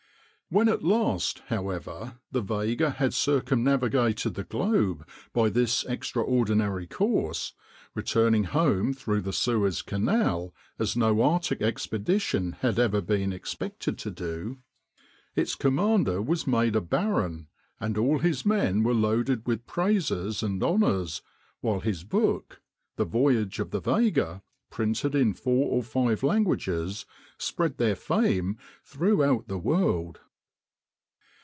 When at last, however, the Vega had circumnavigated the globe by this extraordinary course, returning home through the Suez Canal, as no Arctic expedition had ever been expected to do, its commander was made a baron, and all his men were loaded with praises and honors, while his book, "The Voyage of the Vega," printed in four or five languages, spread their fame throughout the world.